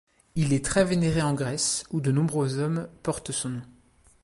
Il est très vénéré en Grèce où de nombreux hommes portent son nom.